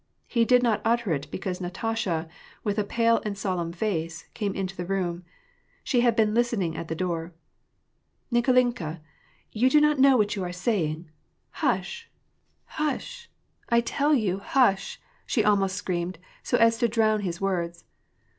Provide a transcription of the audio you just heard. He did not utter it, because Natasha, with a pale and solemn face, came into the room : she had been listening at the door. "Nik<51inka, you don't know what you are saying: hush! WAR AND PEACE. 805 hnsh ? I tell you, hush !" she almost screamedy so as to drown his words.